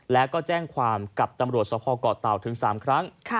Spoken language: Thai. แล้วก็แจ้งความกับตำรวจสภเกาะเต่าถึง๓ครั้ง